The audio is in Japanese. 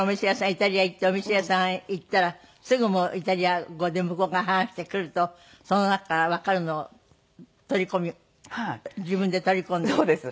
イタリア行ってお店屋さんへ行ったらすぐもうイタリア語で向こうから話してくるとその中からわかるのを取り込み自分で取り込んで？